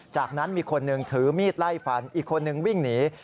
จากนั้นมีคนหนึ่งถือมีดไล่ฟันอีกคนนึงวิ่งหนี